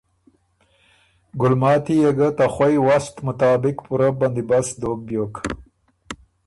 ګلماتی يې ګه ته خوئ وست مطابق پُورۀ بندی بست دوک بیوک۔